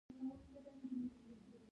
له لوی جمعیته یوازې اتلس کسانو ګډون وکړ.